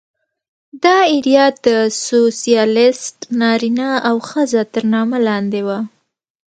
دا ایډیا د سوسیالېست نارینه او ښځه تر نامه لاندې وه